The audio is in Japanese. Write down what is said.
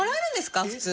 普通。